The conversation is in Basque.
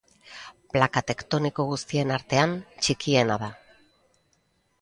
Plaka tektoniko guztien artean txikiena da.